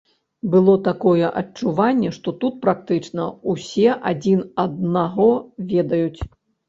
Было такое адчуванне, што тут практычна ўсе адзін аднаго ведаюць.